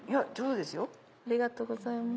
ありがとうございます。